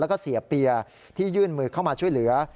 แล้วก็เสียเปียที่ยื่นมือเข้ามาช่วยเหลือ